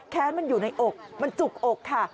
แค้นมันอยู่ในอกมันจุกอกค่ะ